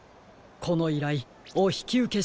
このいらいおひきうけしましょう。